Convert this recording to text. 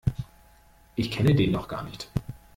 Ich kenne den doch gar nicht!